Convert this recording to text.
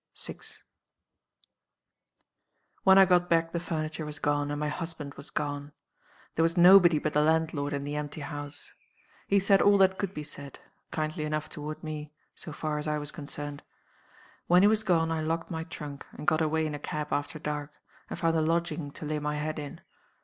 '" 6. "When I got back the furniture was gone, and my husband was gone. There was nobody but the landlord in the empty house. He said all that could be said kindly enough toward me, so far as I was concerned. When he was gone I locked my trunk, and got away in a cab after dark, and found a lodging to lay my head in.